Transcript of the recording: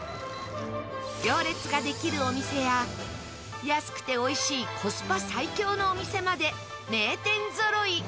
行列ができるお店や安くておいしいコスパ最強のお店まで名店ぞろい。